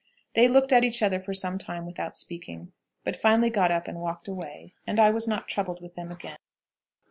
They looked at each other for some time without speaking, but finally got up and walked away, and I was not troubled with them again.